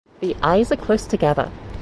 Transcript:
The eyes are close together.